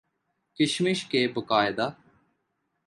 کشمش کے باقاعدہ